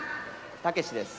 たけしです。